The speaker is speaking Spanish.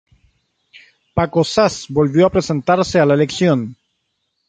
Paco Zas volvió a presentarse a la elección.